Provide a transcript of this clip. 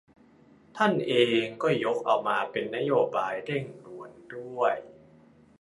ท่านเองก็ยกเอามาเป็นนโยบายเร่งด่วนด้วย